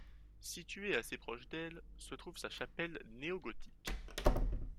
Située assez proche d'elle, se trouve sa chapelle néo-gothique.